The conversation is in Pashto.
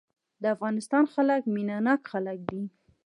د افغانستان خلک مينه ناک خلک دي.